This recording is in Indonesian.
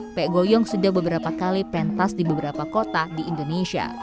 mpek goyong sudah beberapa kali pentas di beberapa kota di indonesia